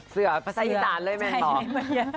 เสือภาษาอีสานเลยแม่ตอบ